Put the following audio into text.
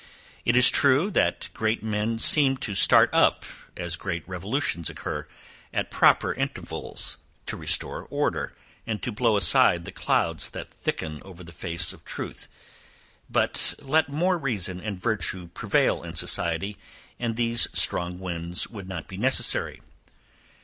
It is true, that great men seem to start up, as great revolutions occur, at proper intervals, to restore order, and to blow aside the clouds that thicken over the face of truth; but let more reason and virtue prevail in society, and these strong winds would not be necessary.